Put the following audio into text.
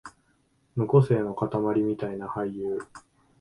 無個性のかたまりみたいな俳優